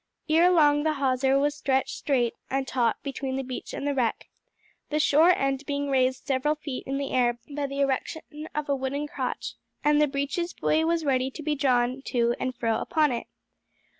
Ere long the hawser was stretched straight and taut between the beach and the wreck the shore end being raised several feet in the air by the erection of a wooden crotch and the breeches buoy was ready to be drawn to and fro upon it.